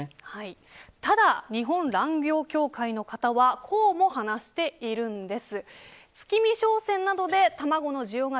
ただ、日本卵業協会の方はこうも話しているんです。